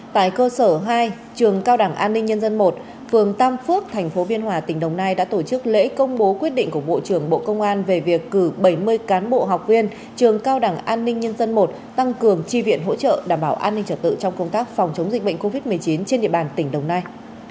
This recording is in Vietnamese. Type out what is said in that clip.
tại cơ sở hai trường cao đảng an ninh nhân dân i phường tam phước thành phố biên hòa tỉnh đồng nai đã tổ chức lễ công bố quyết định của bộ trưởng bộ công an về việc cử bảy mươi cán bộ học viên trường cao đẳng an ninh nhân dân i tăng cường tri viện hỗ trợ đảm bảo an ninh trật tự trong công tác phòng chống dịch bệnh covid một mươi chín trên địa bàn tỉnh đồng nai